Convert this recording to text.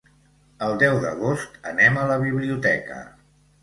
El deu d'agost anem a la biblioteca.